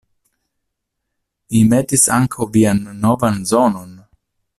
Vi metis ankaŭ vian novan zonon!